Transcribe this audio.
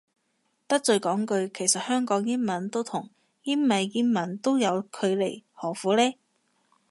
得罪講句，其實香港英文都同英美英文都有距離何苦呢